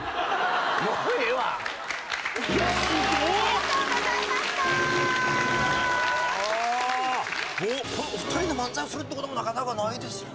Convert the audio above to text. お二人で漫才をするっていう事もなかなかないですよね？